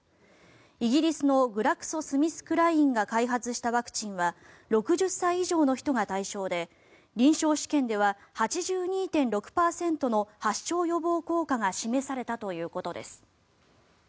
イギリスのグラクソ・スミスクラインが開発したワクチンは６０歳以上の人が対象で臨床試験では８２．６％の発症予防効果が示されたということです。